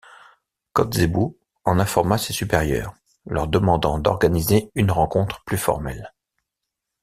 Kotzebue en informa ses supérieurs, leur demandant d'organiser une rencontre plus formelle.